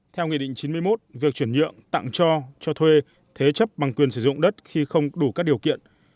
theo nghị định chín mươi một việc chuyển nhượng tặng cho cho thuê thế chấp bằng quyền sử dụng đất khi không đủ các điều kiện